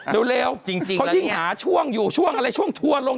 เร็วจริงเขายิ่งหาช่วงอยู่ช่วงอะไรช่วงทัวร์ลง